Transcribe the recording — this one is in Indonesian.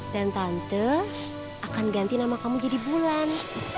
dan tante akan ganti nama kamu jadi bulan